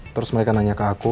terus mereka nanya ke aku